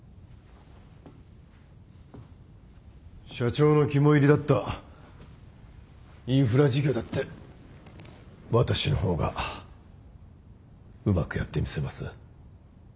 社長の肝いりだったインフラ事業だって私の方がうまくやってみせます。